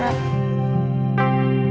thank you rara